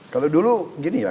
kalau dulu gini ya